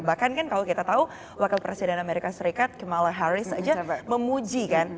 bahkan kan kalau kita tahu wakil presiden amerika serikat kamala harris aja memuji kan